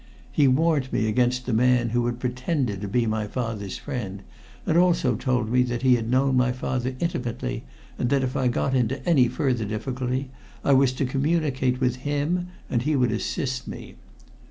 He warned me against the man who had pretended to be my father's friend, and also told me that he had known my father intimately, and that if I got into any further difficulty I was to communicate with him and he would assist me.